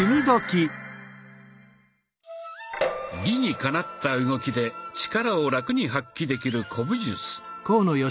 理にかなった動きで力をラクに発揮できる古武術。